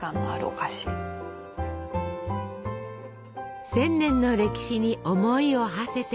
１，０００年の歴史に思いをはせて！